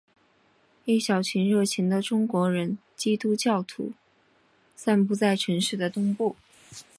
一小群热情的中国人基督徒散布在城市的东部。